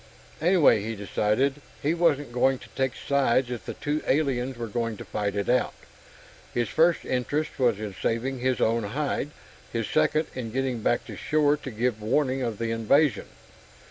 Anyway, he decided, he wasn't going to take sides if the two aliens were going to fight it out. His first interest was in saving his own hide; his second, in getting back to shore to give warning of the invasion.